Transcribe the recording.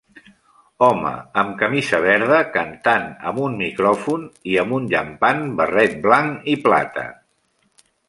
Home amb camisa verda cantant amb un micròfon i amb un llampant barret blanc i plata.